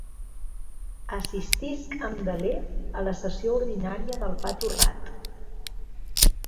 Assistisc amb deler a la sessió ordinària del pa torrat.